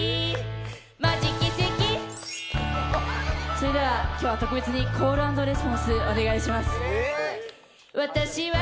それでは今日は特別にコール＆レスポンスお願いします